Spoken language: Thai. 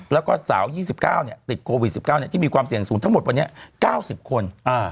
แล้วก็สาว๒๙ติดโควิด๑๙ที่มีความเสี่ยงสูงทั้งหมดวันนี้๙๐คน